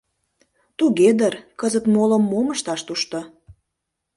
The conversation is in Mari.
Туге дыр, кызыт моло мом ышташ тушто.